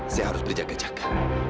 saya harus berjaga jaga